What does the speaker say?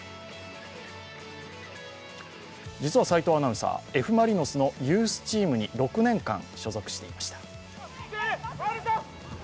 実は齋藤アナウンサー、Ｆ・マリノスのユースチームに６年間所属していました。